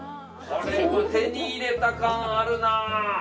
あれ手に入れた感、あるな。